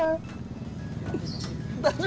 aduh lemes banget angin